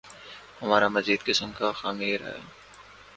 ہمارا مزیدار قسم کا خمیر ہے۔